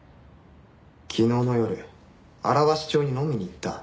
昨日の夜荒鷲町に飲みに行った。